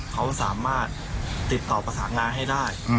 เขาสามารถติดต่อประสานงานให้ได้